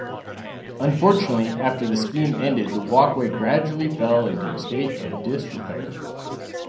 Unfortunately, after the scheme ended the walkway gradually fell into a state of disrepair.